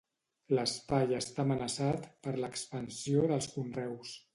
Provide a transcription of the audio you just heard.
L'espai està amenaçat per l'expansió dels conreus.